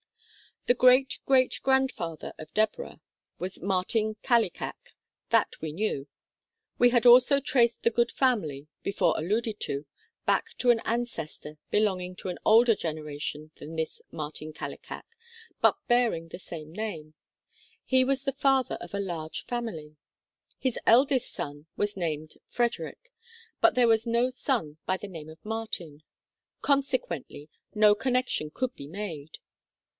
The great great grandfather of Deborah 1 was Martin Kallikak. 1 That we knew. We had also traced the good family, before alluded to, back to an ancestor be longing to an older generation than this Martin Kalli kak, but bearing the same name. He was the father of a large family. His eldest son was named Frederick, but there was no son by the name of Martin. Conse quently, no connection could be made.